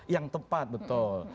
yang tepat betul